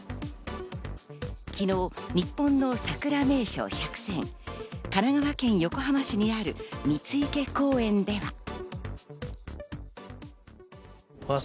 昨日、日本の桜名所１００選、神奈川県横浜市にある三ッ池公園では。